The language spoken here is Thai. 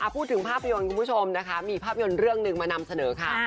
พูดถึงภาพยนตร์คุณผู้ชมนะคะมีภาพยนตร์เรื่องหนึ่งมานำเสนอค่ะ